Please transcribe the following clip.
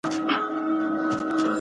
د مشرتابه له پاره بیعت اساسي شرط دئ.